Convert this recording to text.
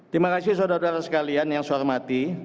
terima kasih saudara saudara sekalian yang suaramati